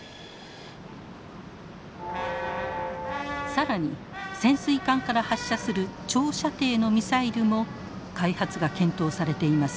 更に潜水艦から発射する長射程のミサイルも開発が検討されています。